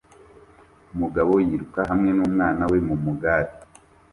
Umugabo yiruka hamwe numwana we mumugare